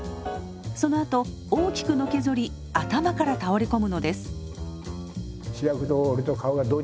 そのあと大きくのけぞり頭から倒れ込むのです。